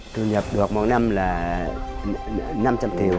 thu nhập được mỗi năm là năm trăm linh triệu